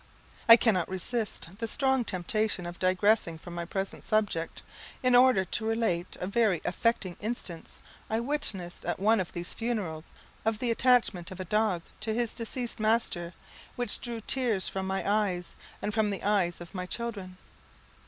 I cannot resist the strong temptation of digressing from my present subject, in order to relate a very affecting instance I witnessed at one of these funerals of the attachment of a dog to his deceased master, which drew tears from my eyes, and from the eyes of my children.